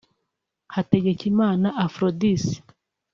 Hategekimana Aphrodis